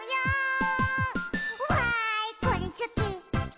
「わーいこれすき！